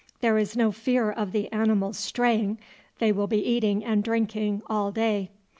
There is no fear of the animals straying; they will be eating and drinking all day."